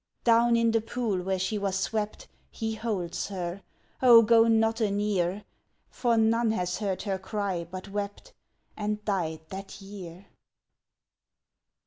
Down in the pool where she was swept He holds her Oh, go not a near! For none has heard her cry but wept And died that year.